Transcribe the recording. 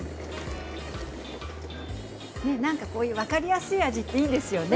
なんか分かりやすい味っていいですよね